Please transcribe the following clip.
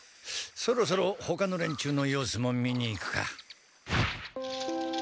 そろそろほかのれんちゅうの様子も見に行くか。